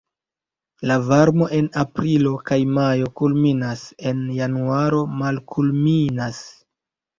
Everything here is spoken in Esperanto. La varmo en aprilo kaj majo kulminas, en januaro malkulminas.